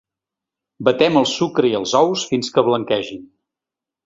Batem el sucre i els ous fins que blanquegin.